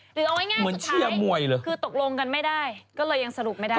หรือเอาง่ายสุดท้ายคือตกลงกันไม่ได้ก็เลยยังสรุปไม่ได้